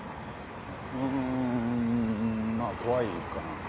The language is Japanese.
うーんまあ怖いかな。